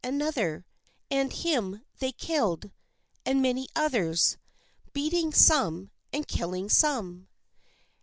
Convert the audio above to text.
other : and him they killed, and many others; beating some, and killin some.